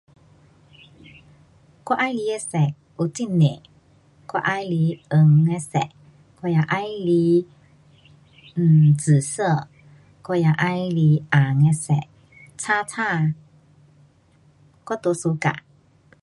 我喜欢的色有很多，我喜欢黄的色，我也喜欢 um 紫色，我也喜欢红的色，青青，我都 suka